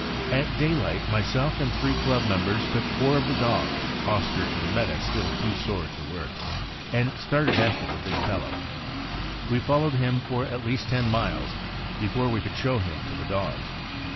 At daylight, myself and three club members took four of ttie dogs (Oscar and Meta being still too sore to work) and started after the big fellow. We fol lowed him for at least ten miles before we could show him to the dogs.